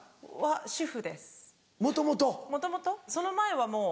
その前はもう。